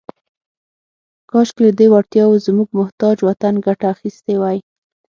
« کاشکې، لهٔ دې وړتیاوو زموږ محتاج وطن ګټه اخیستې وای. »